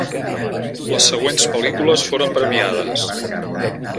Les següents pel·lícules foren premiades.